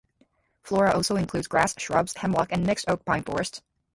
Flora also includes grass, shrubs, hemlock and mixed-oak pine forests.